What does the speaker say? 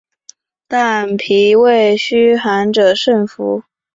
但脾胃虚寒者慎服。